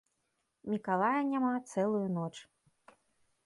Мікалая няма цэлую ноч.